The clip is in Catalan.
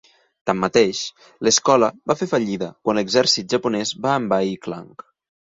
Tanmateix, l'escola va fer fallida quan l'exèrcit japonès va envair Klang.